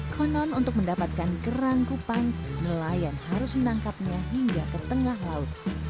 konon untuk mendapatkan kerang kupang nelayan harus menangkapnya ikhachtat taung kalbut